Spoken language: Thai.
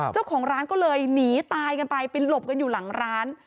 เจ้าของร้านก็เลยหนีตายกันไปไปหลบกันอยู่หลังร้าน